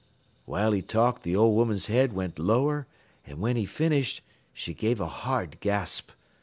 "While he talked th' old woman's head went lower, and whin he finished, she gave a hard gasp.